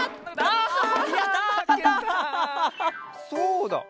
そうだ。